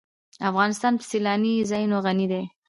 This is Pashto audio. افغانستان په سیلانی ځایونه غني دی.